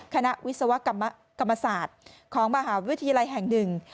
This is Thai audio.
คณะวิศวกรรมศาสตร์ของมหาวิทยาลัยแห่งหนึ่ง